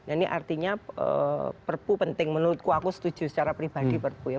ini artinya perpu penting menurutku aku setuju secara pribadi perpu ya